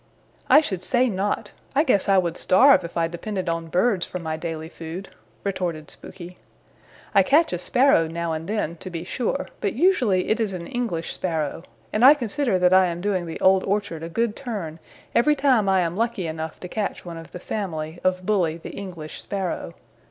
"I should say not. I guess I would starve if I depended on birds for my daily food," retorted Spooky. "I catch a Sparrow now and then, to be sure, but usually it is an English Sparrow, and I consider that I am doing the Old Orchard a good turn every time I am lucky enough to catch one of the family of Bully the English Sparrow.